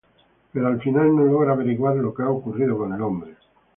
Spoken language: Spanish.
Pero al final no logra averiguar lo que ha ocurrido con el hombre.